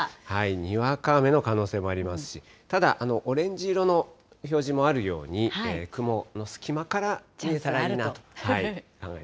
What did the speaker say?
にわか雨の可能性もありますし、ただ、オレンジ色の表示もあるように、雲の隙間から見えたらいいなと。